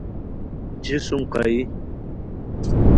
جسم قائی